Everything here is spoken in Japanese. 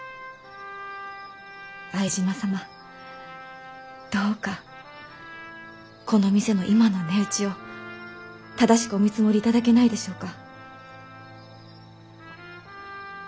相島様どうかこの店の今の値打ちを正しくお見積もりいただけないでしょうか？